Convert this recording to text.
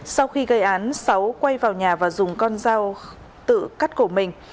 sau khi gây án sáu quay vào nhà và dùng con dao tự cắt cổ mình